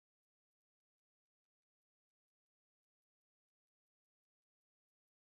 Yatangiye yisobanura ku cyaha cyo ‘kurema umutwe w’ingabo utemewe